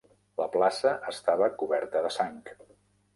La plaça estava coberta de sang.